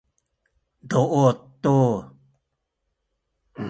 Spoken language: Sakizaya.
duut tu